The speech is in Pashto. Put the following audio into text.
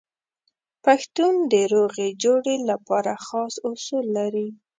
پښتون د روغې جوړې لپاره خاص اصول لري.